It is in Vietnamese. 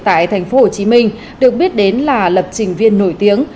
tại thành phố hồ chí minh được biết đến là lập trình viên nổi tiếng